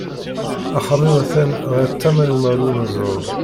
Axxam-iw at-an ɣer tama umalu n uzrug.